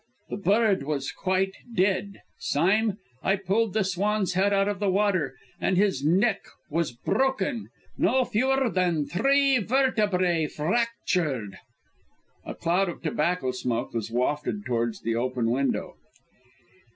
The bird was quite dead! Sime, I pulled the swan's head out of the water, and his neck was broken; no fewer than three vertebrae fractured!" A cloud of tobacco smoke was wafted towards the open window.